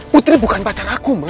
putri bukan pacar aku ma